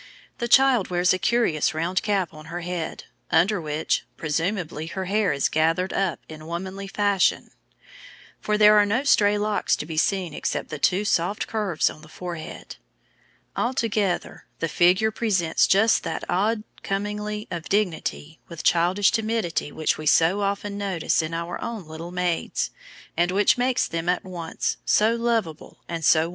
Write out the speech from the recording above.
The child wears a curious round cap on her head, under which, presumably, her hair is gathered up in womanly fashion, for there are no stray locks to be seen except the two soft curves on the forehead. Altogether, the figure presents just that odd commingling of dignity with childish timidity which we so often notice in our own little maids, and which makes them at once so lovable and so womanly.